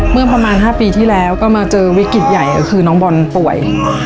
เมื่อประมาณ๕ปีที่แล้วก็มาเจอวิกฤตใหญ่ก็คือน้องบอลป่วย